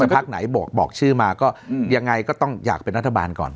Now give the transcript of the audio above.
พักไหนบอกชื่อมาก็ยังไงก็ต้องอยากเป็นรัฐบาลก่อน